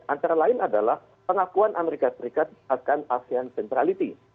antara lain adalah pengakuan amerika serikat akan asean centrality